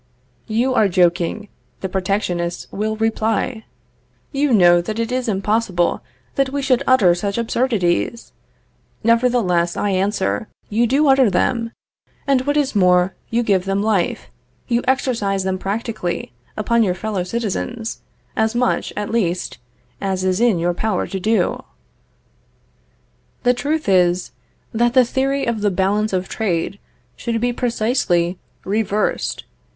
You are joking, the protectionists will reply. You know that it is impossible that we should utter such absurdities. Nevertheless, I answer, you do utter them, and what is more, you give them life, you exercise them practically upon your fellow citizens, as much, at least, as is in your power to do. The truth is, that the theory of the Balance of Trade should be precisely reversed.